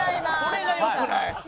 それがよくない！